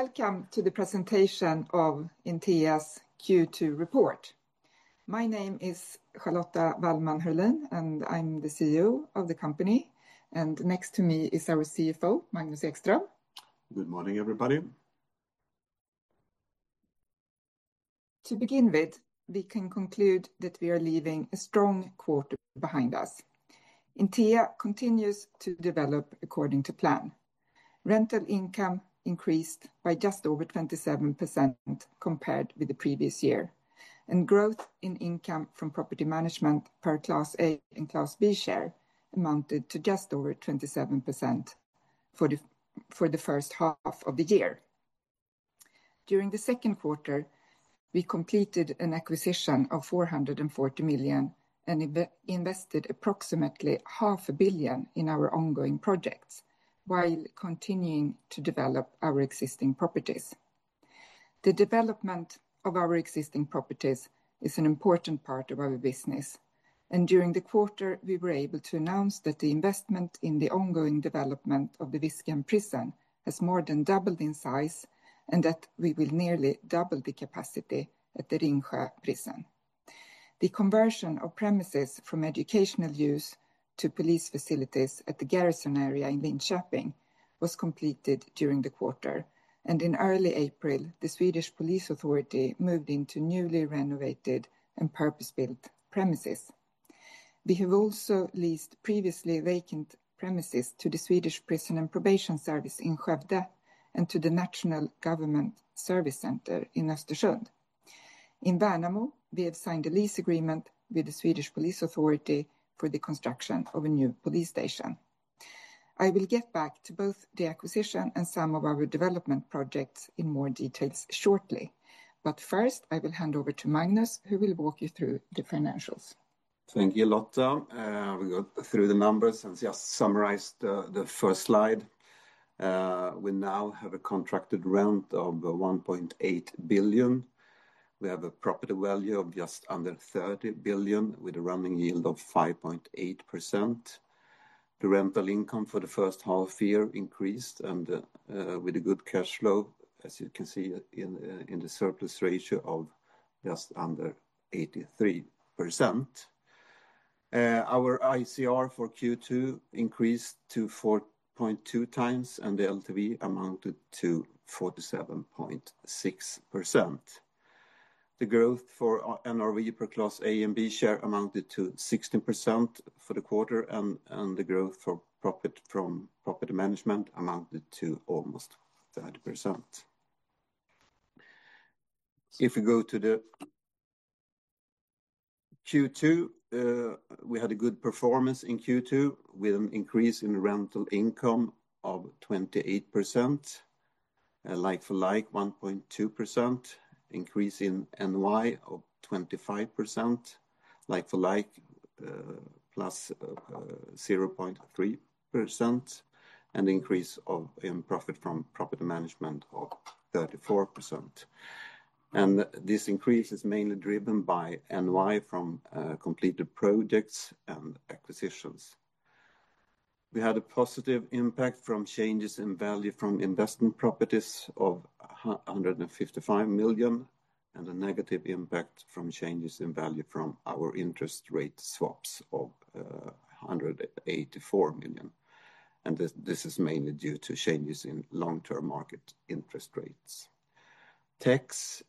Welcome to the presentation of Intea's Q2 report. My name is Charlotta Wallman Hörlin, and I'm the CEO of the company. Next to me is our CFO, Magnus Ekström. Good morning, everybody. To begin with, we can conclude that we are leaving a strong quarter behind us. Intea continues to develop according to plan. Rental income increased by just over 27% compared with the previous year, and growth in income from property management per Class A and Class B share amounted to just over 27% for the first half of the year. During the second quarter, we completed an acquisition of 440 million and invested approximately 500 million in our ongoing projects while continuing to develop our existing properties. The development of our existing properties is an important part of our business, and during the quarter, we were able to announce that the investment in the ongoing development of the Viskan Prison has more than doubled in size, and that we will nearly double the capacity at the Ringsjön Prison. The conversion of premises from educational use to police facilities at the garrison area in Linköping was completed during the quarter, in early April, the Swedish Police Authority moved into newly renovated and purpose-built premises. We have also leased previously vacant premises to the Swedish Prison and Probation Service in Skövde and to the National Government Service Centre in Östersund. In Värnamo, we have signed a lease agreement with the Swedish Police Authority for the construction of a new police station. I will get back to both the acquisition and some of our development projects in more details shortly. First, I will hand over to Magnus, who will walk you through the financials. Thank you, Lotta. We go through the numbers and just summarize the first slide. We now have a contracted rent of 1.8 billion. We have a property value of just under 30 billion, with a running yield of 5.8%. The rental income for the first half year increased with a good cash flow, as you can see in the surplus ratio of just under 83%. Our ICR for Q2 increased to 4.2x, and the LTV amounted to 47.6%. The growth for NRV per Class A and B share amounted to 16% for the quarter, and the growth from property management amounted to almost 30%. If we go to Q2, we had a good performance in Q2 with an increase in rental income of 28%, like-for-like 1.2%, increase in NOI of 25%, like-for-like +0.3%, and increase in profit from property management of 34%. This increase is mainly driven by NOI from completed projects and acquisitions. We had a positive impact from changes in value from investment properties of 155 million and a negative impact from changes in value from our interest rate swaps of 184 million. This is mainly due to changes in long-term market interest rates. Tax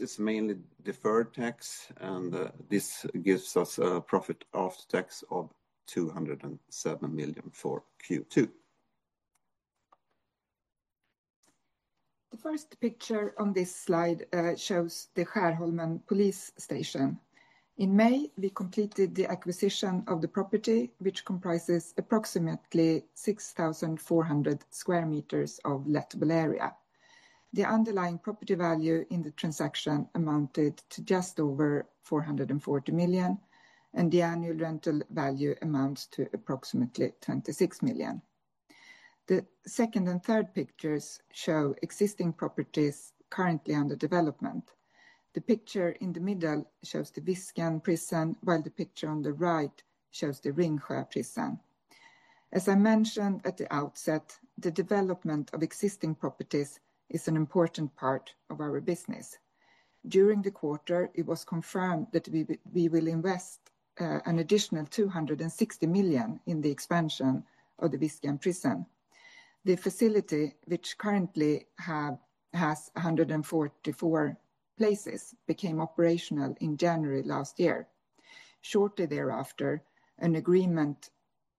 is mainly deferred tax, and this gives us a profit after tax of 207 million for Q2. The first picture on this slide shows the Skärholmen Police Station. In May, we completed the acquisition of the property, which comprises approximately 6,400 sq m of lettable area. The underlying property value in the transaction amounted to just over 440 million, and the annual rental value amounts to approximately 26 million. The second and third pictures show existing properties currently under development. The picture in the middle shows the Viskan Prison, while the picture on the right shows the Ringsjön Prison. As I mentioned at the outset, the development of existing properties is an important part of our business. During the quarter, it was confirmed that we will invest an additional 260 million in the expansion of the Viskan Prison. The facility, which currently has 144 places, became operational in January last year. Shortly thereafter, an agreement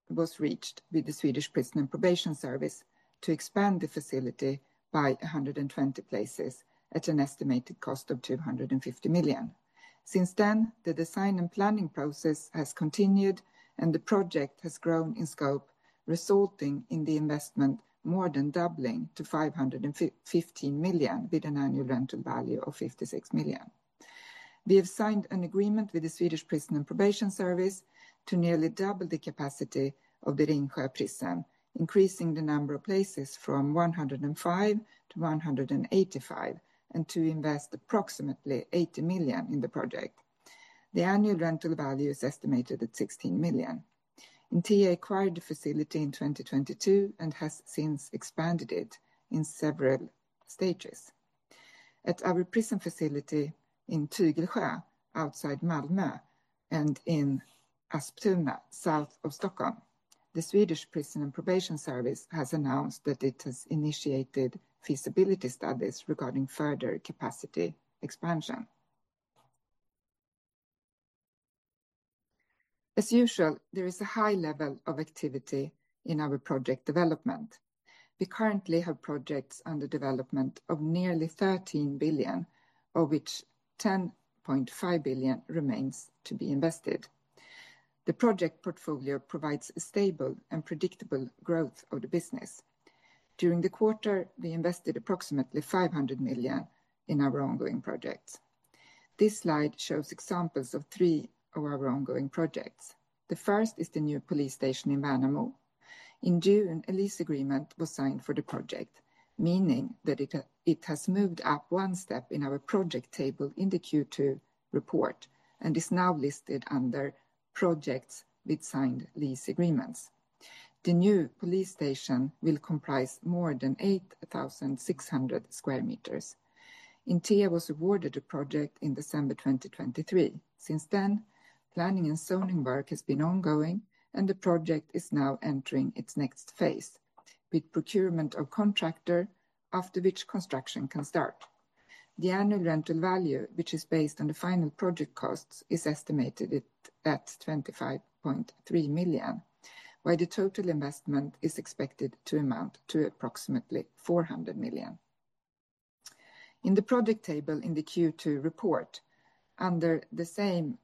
was reached with the Swedish Prison and Probation Service to expand the facility by 120 places at an estimated cost of 250 million. Since then, the design and planning process has continued, the project has grown in scope, resulting in the investment more than doubling to 515 million, with an annual rental value of 56 million. We have signed an agreement with the Swedish Prison and Probation Service to nearly double the capacity of the Ringsjön Prison, increasing the number of places from 105 to 185, and to invest approximately 80 million in the project. The annual rental value is estimated at 16 million. Intea acquired the facility in 2022 and has since expanded it in several stages. At our prison facility in Tygelsjö, outside Malmö, and in Asptuna, south of Stockholm, the Swedish Prison and Probation Service has announced that it has initiated feasibility studies regarding further capacity expansion. As usual, there is a high level of activity in our project development. We currently have projects under development of nearly 13 billion, of which 10.5 billion remains to be invested. The project portfolio provides a stable and predictable growth of the business. During the quarter, we invested approximately 500 million in our ongoing projects. This slide shows examples of three of our ongoing projects. The first is the new police station in Värnamo. In June, a lease agreement was signed for the project, meaning that it has moved up one step in our project table in the Q2 report and is now listed under projects with signed lease agreements. The new police station will comprise more than 8,600 sq m. Intea was awarded the project in December 2023. Since then, planning and zoning work has been ongoing, and the project is now entering its next phase with procurement of contractor, after which construction can start. The annual rental value, which is based on the final project costs, is estimated at 25.3 million, while the total investment is expected to amount to approximately 400 million. In the project table in the Q2 report, under the same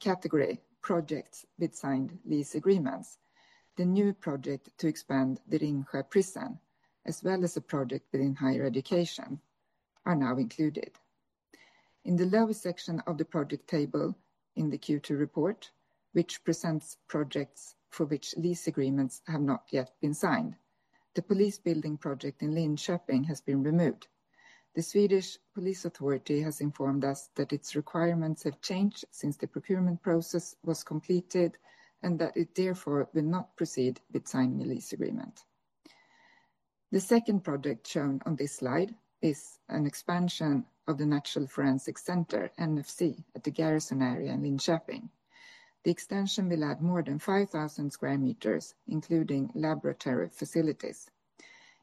category, projects with signed lease agreements, the new project to expand the Ringsjön Prison, as well as a project within higher education, are now included. In the lower section of the project table in the Q2 report, which presents projects for which lease agreements have not yet been signed, the police building project in Linköping has been removed. The Swedish Police Authority has informed us that its requirements have changed since the procurement process was completed, and that it therefore will not proceed with signing the lease agreement. The second project shown on this slide is an expansion of the National Forensic Centre, NFC, at the garrison area in Linköping. The extension will add more than 5,000 sq m, including laboratory facilities.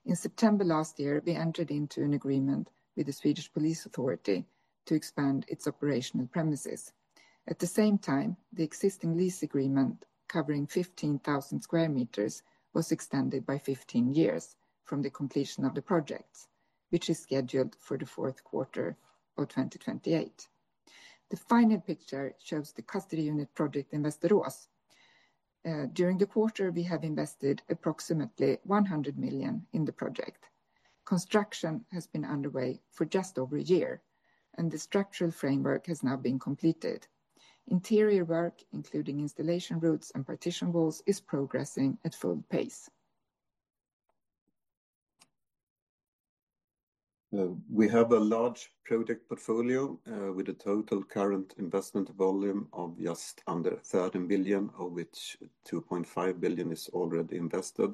In September last year, we entered into an agreement with the Swedish Police Authority to expand its operational premises. At the same time, the existing lease agreement covering 15,000 sq m was extended by 15 years from the completion of the project, which is scheduled for the fourth quarter of 2028. The final picture shows the Custody Unit Project in Västerås. During the quarter, we have invested approximately 100 million in the project. Construction has been underway for just over a year, and the structural framework has now been completed. Interior work, including installation routes and partition walls, is progressing at full pace. We have a large project portfolio with a total current investment volume of just under 13 billion, of which 2.5 billion is already invested.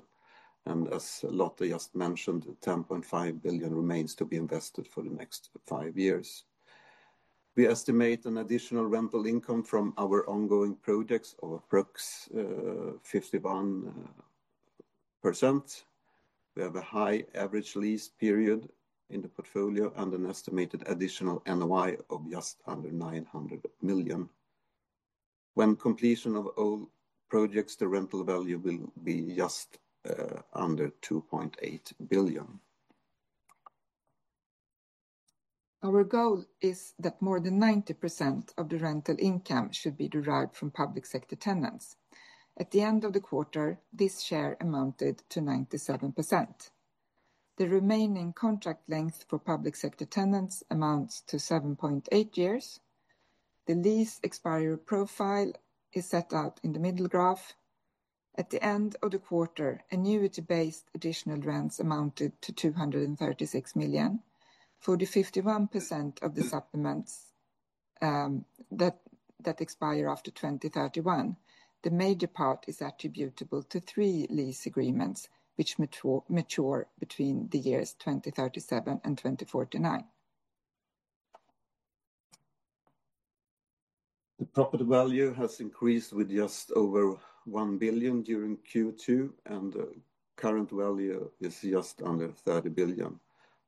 As Lotta just mentioned, 10.5 billion remains to be invested for the next five years. We estimate an additional rental income from our ongoing projects of approximately 51%. We have a high average lease period in the portfolio and an estimated additional NOI of just under 900 million. When completion of all projects, the rental value will be just under SEK 2.8 billion. Our goal is that more than 90% of the rental income should be derived from public sector tenants. At the end of the quarter, this share amounted to 97%. The remaining contract length for public sector tenants amounts to 7.8 years. The lease expiry profile is set out in the middle graph. At the end of the quarter, annuity-based additional rents amounted to 236 million. For the 51% of the supplements that expire after 2031, the major part is attributable to three lease agreements which mature between the years 2037 and 2049. The property value has increased with just over 1 billion during Q2, and the current value is just under 30 billion.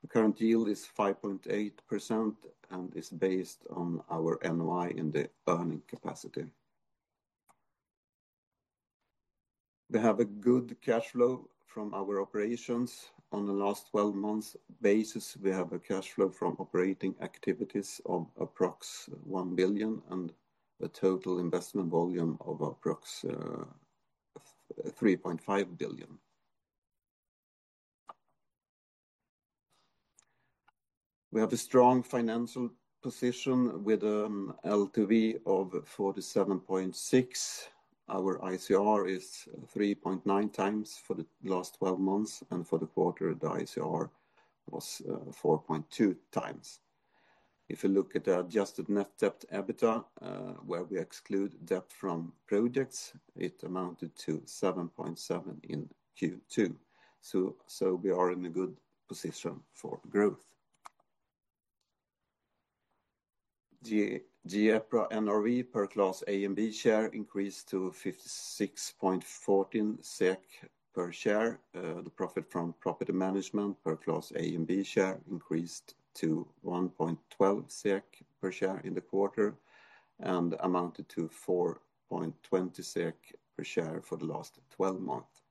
The current yield is 5.8% and is based on our NOI and the earning capacity. We have a good cash flow from our operations. On the last 12-month basis, we have a cash flow from operating activities of approximately 1 billion and a total investment volume of approximately 3.5 billion. We have a strong financial position with an LTV of 47.6%. Our ICR is 3.9x for the last 12 months, and for the quarter, the ICR was 4.2x. If you look at the adjusted net debt EBITDA, where we exclude debt from projects, it amounted to 7.7x in Q2. We are in a good position for growth. The EPRA NRV per Class A and B share increased to 56.14 SEK per share. The profit from property management per Class A and B share increased to 1.12 SEK per share in the quarter, and amounted to 4.20 SEK per share for the last 12 months.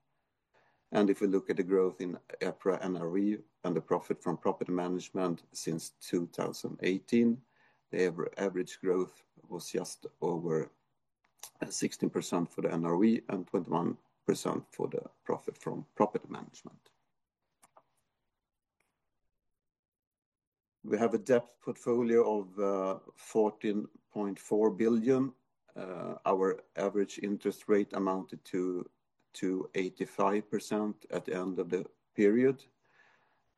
If we look at the growth in EPRA NRV and the profit from property management since 2018, the average growth was just over 16% for the NRV and 21% for the profit from property management. We have a debt portfolio of 14.4 billion. Our average interest rate amounted to 85% at the end of the period,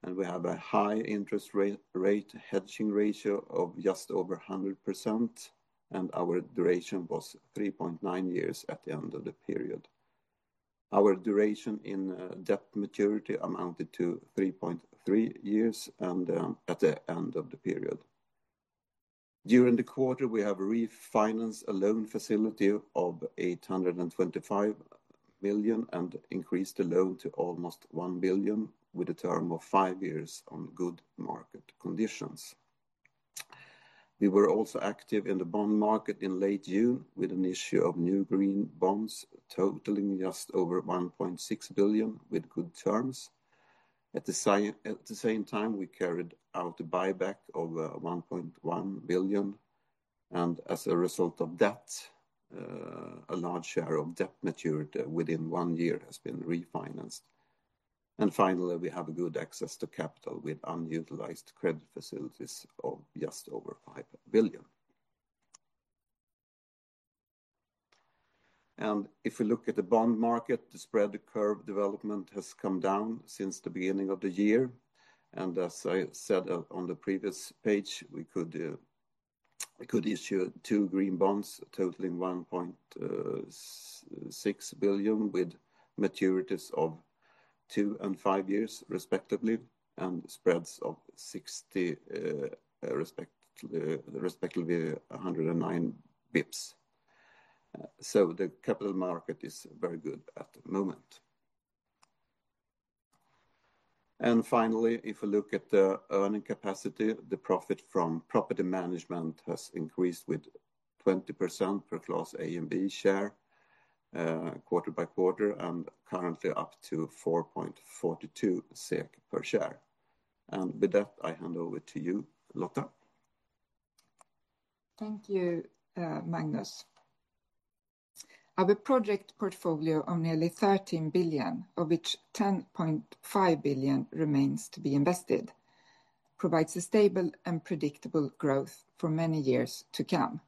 and we have a high interest rate hedging ratio of just over 100%, and our duration was 3.9 years at the end of the period. Our duration in debt maturity amounted to 3.3 years at the end of the period. During the quarter, we have refinanced a loan facility of 825 million and increased the loan to almost 1 billion with a term of five years on good market conditions. We were also active in the bond market in late June with an issue of new green bonds totaling just over 1.6 billion with good terms. At the same time, we carried out a buyback of 1.1 billion, and as a result of that, a large share of debt matured within one year has been refinanced. Finally, we have a good access to capital with unutilized credit facilities of just over 5 billion. If we look at the bond market, the spread curve development has come down since the beginning of the year. As I said on the previous page, we could issue two green bonds totaling 1.6 billion, with maturities of two and five years respectively, and spreads of 60 basis points, respectively 109 basis points. The capital market is very good at the moment. Finally, if we look at the earning capacity, the profit from property management has increased with 20% per Class A and B share quarter by quarter, and currently up to 4.42 SEK per share. With that, I hand over to you, Lotta. Thank you, Magnus. Our project portfolio of nearly 13 billion, of which 10.5 billion remains to be invested, provides a stable and predictable growth for many years to come.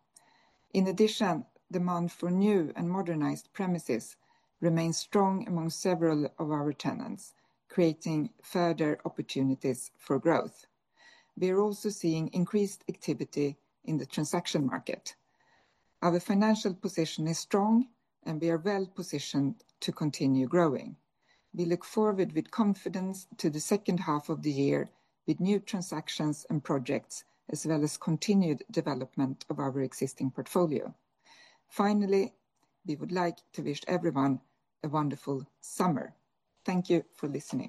In addition, demand for new and modernized premises remains strong among several of our tenants, creating further opportunities for growth. We are also seeing increased activity in the transaction market. Our financial position is strong, and we are well-positioned to continue growing. We look forward with confidence to the second half of the year with new transactions and projects, as well as continued development of our existing portfolio. Finally, we would like to wish everyone a wonderful summer. Thank you for listening.